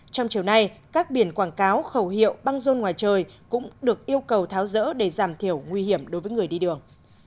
trong chiều nay các biển quảng cáo khẩu hiệu băng rôn ngoài trời cũng được yêu cầu tháo rỡ để giảm thiểu nguy hiểm đối với người đi đường